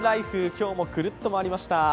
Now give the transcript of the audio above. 今日もくるっと回りました。